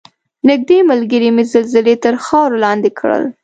نږدې ملګرې مې زلزلې تر خاورو لاندې کړل.